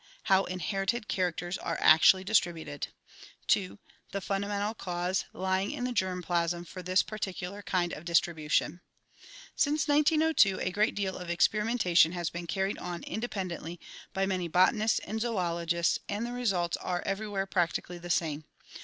How inherited characters are actually distributed. 2. The fundamental cause lying in the germ plasm for this par ticular kind of distribution. Since 1902 a great deal of experimentation has been carried on independently by many botanists and zoologists, and the results are everywhere practically the same.